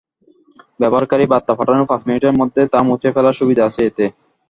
ব্যবহারকারী বার্তা পাঠানোর পাঁচ মিনিটের মধ্যে তা মুছে ফেলার সুবিধা আছে এতে।